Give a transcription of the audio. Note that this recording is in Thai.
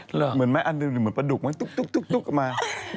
เหรอเหมือนไหมอันหนึ่งเหมือนประดุกไหมตุ๊กออกมา